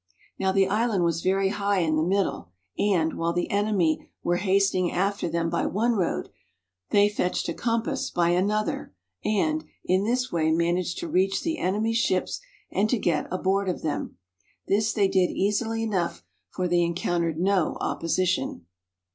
[Now the island was very high in the middle, and, while the enemy were hastening after them by one road, they fetched a compass by another, and] in this way managed to reach the enemy's ships and to get aboard of them. This they did easily enough, for they en countered no opposition.